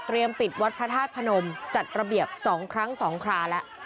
เตรียมปิดวัดพระธาตุพระนมจัดระเบียบสองครั้งสองคราแล้ว